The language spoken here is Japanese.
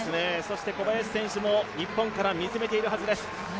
小林選手も日本から見つめているはずです。